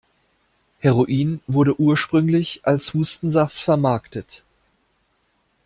Heroin wurde ursprünglich als Hustensaft vermarktet.